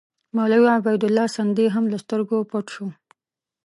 مولوي عبیدالله سندي هم له سترګو پټ شو.